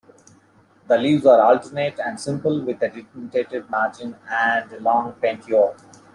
The leaves are alternate and simple, with a dentated margin and a long petiole.